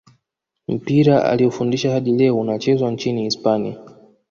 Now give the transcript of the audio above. mpira alioufundisha hadi leo unachezwa nchini hispania